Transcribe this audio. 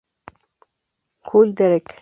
Hull, Derek.